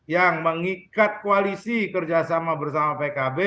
yang mengikat koalisi kerjasama bersama pkb